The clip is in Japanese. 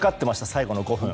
最後の５分。